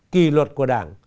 kỳ luật của đảng